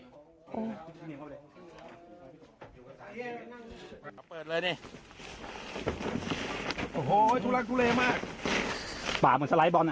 อ๋อนี่เขาเลยเปิดเลยนี่โอ้โหทุลักษณ์ทุเรมากป่าเหมือนสไลด์บอลอ่ะ